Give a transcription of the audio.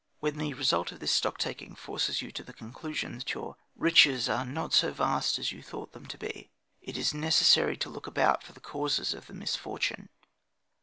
When the result of this stocktaking forces you to the conclusion that your riches are not so vast as you thought them to be, it is necessary to look about for the causes of the misfortune.